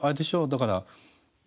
だから。